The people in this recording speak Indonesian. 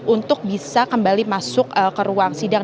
untuk bisa kembali masuk ke ruang sidang